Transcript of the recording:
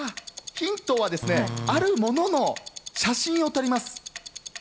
ヒントはですね、あるものの写真を撮ります。